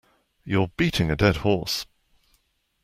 You're beating a dead horse